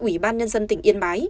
ủy ban nhân dân tỉnh yên bái